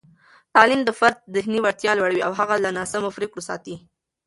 تعلیم د فرد ذهني وړتیا لوړوي او هغه له ناسمو پرېکړو ساتي.